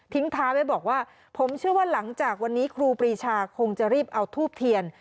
ท้ายไว้บอกว่าผมเชื่อว่าหลังจากวันนี้ครูปรีชาคงจะรีบเอาทูบเทียน